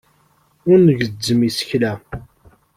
Ur ngezzem isekla.